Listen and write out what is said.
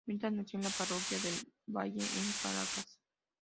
Mirtha nació en la parroquia El Valle, en Caracas.